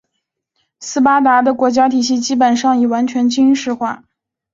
斯巴达的国家体系基本上已完全军事化。